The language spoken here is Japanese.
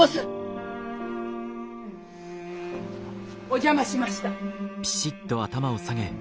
お邪魔しました。